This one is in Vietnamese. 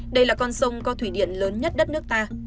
đây là con sông có thủy điện lớn nhất đất nước ta